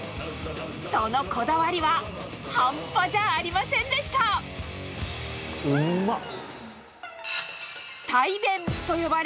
そのこだわりは半端じゃありませうんまっ！